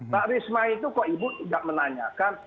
mbak risma itu kok ibu tidak menanyakan